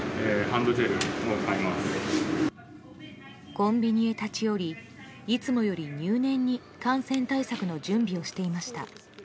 コンビニへ立ち寄りいつもより入念に感染対策の準備をしていました。